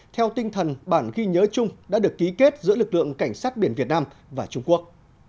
theo tinh thần bản ghi nhớ chung đã được ký kết giữa lực lượng cảnh sát biển việt nam và trung quốc